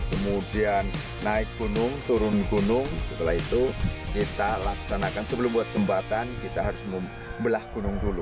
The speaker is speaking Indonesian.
kemudian naik gunung turun gunung setelah itu kita laksanakan sebelum buat jembatan kita harus membelah gunung dulu